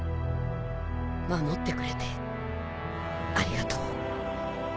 守ってくれてありがとう。